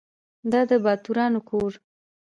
دا د باتورانو کور .